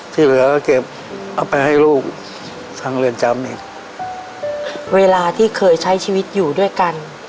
ที่เหลือก็เก็บเอาไปให้ลูกทางเรือนจำเนี่ยเวลาที่เคยใช้ชีวิตอยู่ด้วยกัน